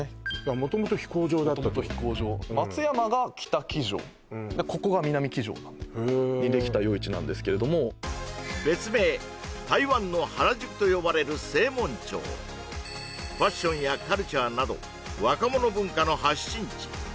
もともと飛行場松山が北機場ここが南機場なんでにできた夜市なんですけれども別名「台湾の原宿」と呼ばれる西門町ファッションやカルチャーなど若者文化の発信地